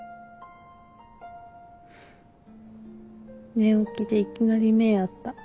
寝起きでいきなり目合った。